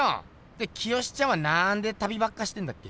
で清ちゃんは何で旅ばっかしてんだっけ？